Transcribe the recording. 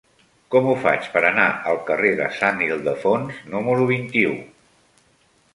Com ho faig per anar al carrer de Sant Ildefons número vint-i-u?